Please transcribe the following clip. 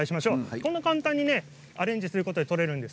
こんな簡単にアレンジすることでとれるんです。